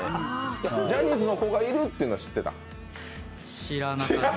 ジャニーズの子がいるっていうのは知ってた？